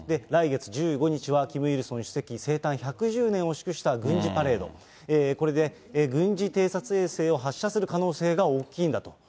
来月１５日は、キム・イルソン主席生誕１１０年を祝した軍事パレード、これで軍事偵察衛星を発射する可能性が大きいんだと。